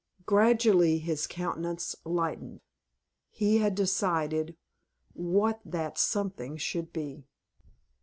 Gradually his countenance lightened. He had decided what that something should be.